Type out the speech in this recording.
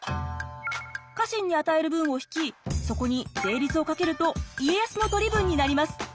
家臣に与える分を引きそこに税率を掛けると家康の取り分になります。